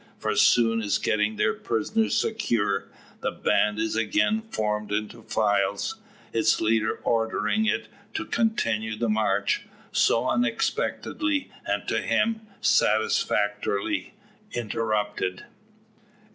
For, soon as getting their prisoners secured, the band is again formed into files, its leader ordering it to continue the march, so unexpectedly, and to him satisfactorily, interrupted.